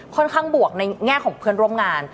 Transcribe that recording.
ค่อนข้างบวกในแง่ของเพื่อนร่วมงาน